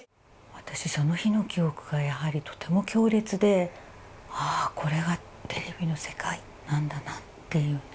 私その日の記憶がやはりとても強烈であこれがテレビの世界なんだなっていうね。